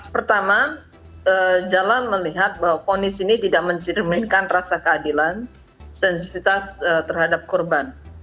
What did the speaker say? pertama jalan melihat bahwa ponis ini tidak mencerminkan rasa keadilan sensifitas terhadap korban